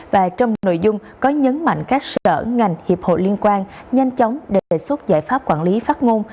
và trong nội dung có nhấn mạnh các sở ngành hiệp hội liên quan nhanh chóng đề xuất giải pháp quản lý phát ngôn